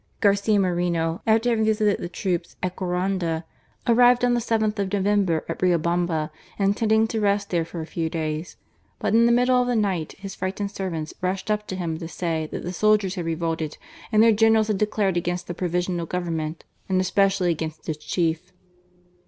Garoia Moreno, after having visited the troops at Guaranda, arrived on the 7th of November at Riobamba, intending to rest there for a few days. But in the middle of the night his frightened servants rushed up to him to say that the soldiers had revolted and their Generals had declared against the Provisional Government, and especially against its chief.